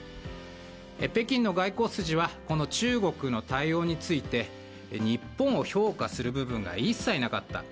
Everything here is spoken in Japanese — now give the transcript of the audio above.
北京の外交筋はこの中国の対応について日本を評価する部分が一切なかった。